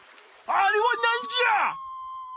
あれはなんじゃ！